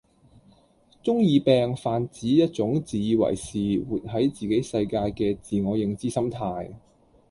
中二病泛指一種自以為是，活係自己世界嘅自我認知心態